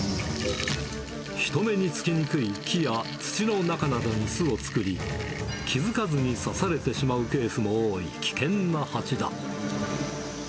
人目につきにくい木や土の中などに巣を作り、気付かずに刺されてしまうケースも多い、危険なハチだ。